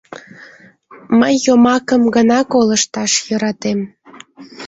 Мый йомакым гына колышташ йӧратем.